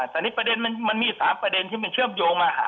แต่ประเด็นที่เป็นเชื่อมโยงมาหามัก